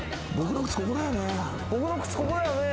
「僕の靴ここだよね」